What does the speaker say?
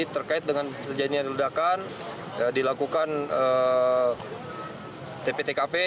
terkait dengan terjadinya ledakan dilakukan tptkp